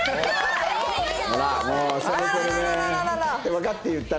わかって言ったね。